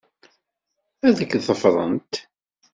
Ad k-ḍefrent.